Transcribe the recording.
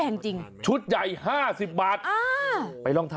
โอ้โห